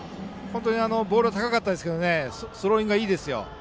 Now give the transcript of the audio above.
ボールは高かったですがスローイングがいいですよ。